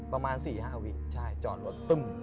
ประมาณ๔๕วินาทีจอดรถตุ้ม